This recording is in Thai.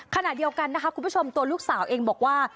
ขณะเดียวกันนะคะคุณผู้ชมตัวลูกสาวเองบอกว่า